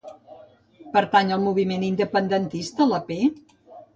Pertany al moviment independentista la Pe?